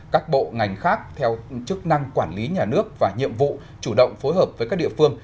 các bộ ngành khác theo chức năng quản lý nhà nước và nhiệm vụ chủ động phối hợp với các địa phương